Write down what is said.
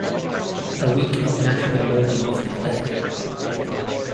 A week of national mourning was declared.